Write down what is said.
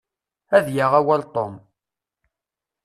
Ad yaɣ awal Tom.